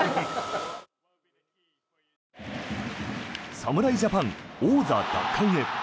侍ジャパン王座奪還へ。